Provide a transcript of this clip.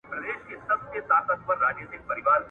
دغو ستورو هم ليدلو `